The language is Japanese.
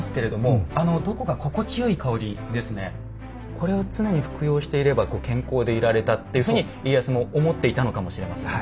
これを常に服用していれば健康でいられたっていうふうに家康も思っていたのかもしれませんね。